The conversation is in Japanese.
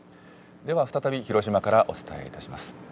では再び広島からお伝えいたします。